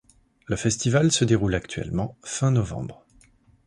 Le festival se déroule actuellement fin novembre.